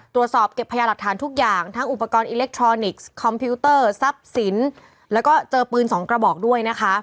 ตรวจสอบเก็บพยาหลักฐานทุกอย่างทั้งอุปกรณ์อิเล็กทรอนิกส์คอมพิวเตอร์ทรัพย์สินแล้วก็เจอปืนสองกระบอกด้วยนะคะ